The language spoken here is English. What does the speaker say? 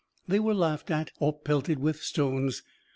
They were laughed at or pelted with stones.